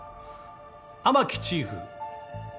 雨樹チーフ。